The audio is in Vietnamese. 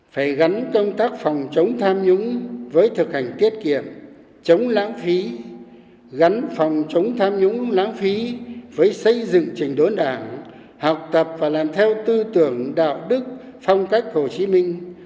phải gắn công tác phòng chống tham nhũng với thực hành tiết kiệm chống lãng phí gắn phòng chống tham nhũng lãng phí với xây dựng trình đốn đảng học tập và làm theo tư tưởng đạo đức phong cách hồ chí minh